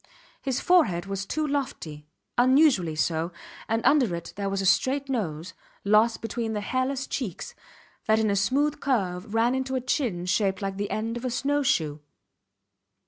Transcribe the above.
His forehead was too lofty unusually so and under it there was a straight nose, lost between the hairless cheeks, that in a smooth curve ran into a chin shaped like the end of a snow shoe.